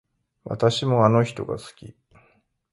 私もあの人が好き